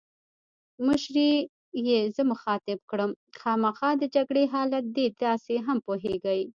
مشرې یې زه مخاطب کړم: خامخا د جګړې حالات دي، تاسي هم پوهېږئ.